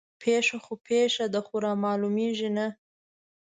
پيښه خو پيښه ده خو رامعلومېږي نه